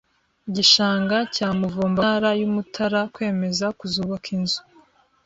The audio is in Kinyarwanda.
gishanga cya Muvumba mu Ntara y Umutara kwemera kuzubaka inzu